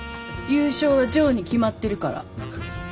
優勝はジョーに決まってるから。